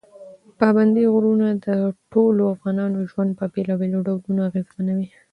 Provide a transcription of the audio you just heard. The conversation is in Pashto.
پابندي غرونه د ټولو افغانانو ژوند په بېلابېلو ډولونو اغېزمنوي.